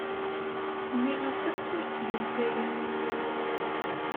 Nniɣ-asent ur ttgent aya.